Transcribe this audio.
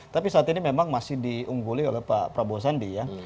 tapi saat ini memang masih diungguli oleh pak prabowo sandi ya